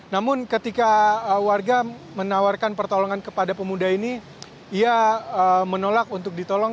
namun ketika warga menawarkan pertolongan kepada pemuda ini ia menolak untuk ditolong